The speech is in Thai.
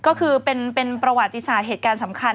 ก็คือเป็นประวัติศาสตร์เหตุการณ์สำคัญ